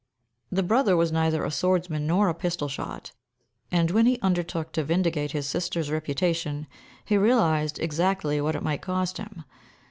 The brother was neither a swordsman nor a pistol shot, and when he undertook to vindicate his sister's reputation he realised exactly what it might cost him.